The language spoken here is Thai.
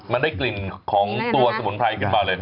มันได้กลิ่นของตัวสมุนไพรขึ้นมาเลย